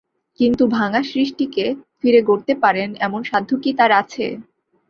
কিন্তু ভাঙা সৃষ্টিকে ফিরে গড়তে পারেন এমন সাধ্য কি তাঁর আছে?